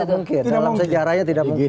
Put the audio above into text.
mungkin dalam sejarahnya tidak mungkin